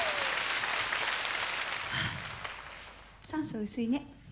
酸素薄いね。